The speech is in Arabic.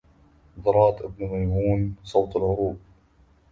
ضراط ابن ميمون صوت العروب